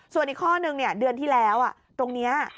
ส่วนอีกข้อนึงเดือนที่แล้วตรงนี้